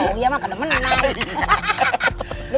oh iya makan sama nenek